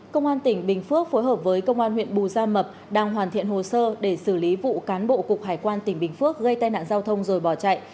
công an tỉnh bình phước phối hợp với công an huyện bù gia mập đang hoàn thiện hồ sơ để xử lý vụ cán bộ cục hải quan tỉnh bình phước gây tai nạn giao thông rồi bỏ chạy